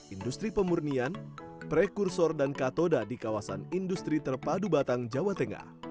industri pemurnian prekursor dan katoda di kawasan industri terpadu batang jawa tengah